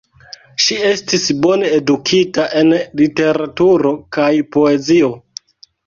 Ŝi estis bone edukita en literaturo kaj poezio.